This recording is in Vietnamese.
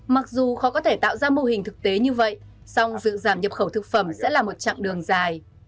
mặc dù khó có thể tạo ra mô hình thực tế như vậy song việc giảm nhập khẩu thực phẩm sẽ là một chặng đường dài